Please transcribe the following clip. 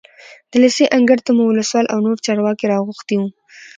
د لېسې انګړ ته مو ولسوال او نور چارواکي راغوښتي وو.